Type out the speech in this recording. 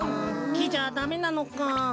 きじゃダメなのか。